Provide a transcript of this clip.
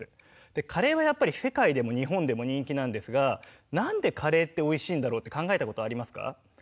でカレーはやっぱり世界でも日本でも人気なんですがなんでカレーっておいしいんだろうって考えたことありますか？